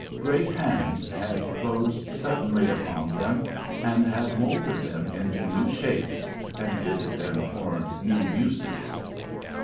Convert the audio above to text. Great hands had closed suddenly upon them and had moulded them into new shapes, and fitted them for new uses.